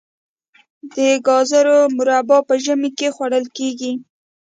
د ګازرو مربا په ژمي کې خوړل کیږي.